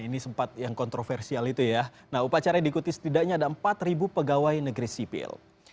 ini sempat yang kontroversial itu ya nah upacara diikuti setidaknya ada empat pegawai negeri sipil